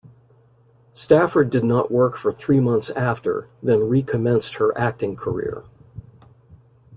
Stafford did not work for three months after then re-commenced her acting career.